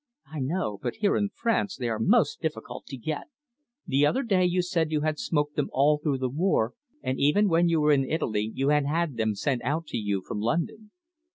"I know. But here, in France, they are most difficult to get. The other day you said you had smoked them all through the war, and even when you were in Italy you had had them sent out to you from London."